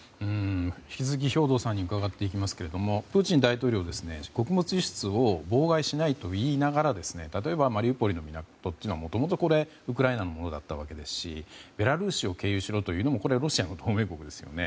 引き続き兵頭さんに伺っていきますけどプーチン大統領は、穀物輸出を妨害しないと言いながら例えばマリウポリの港はもともとウクライナのものだったわけですしベラルーシを経由しろというのもロシアの同盟国ですよね。